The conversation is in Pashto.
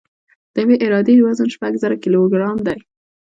د یوې عرادې وزن شپږ زره کیلوګرام دی